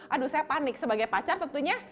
aduh saya panik sebagai pacar tentunya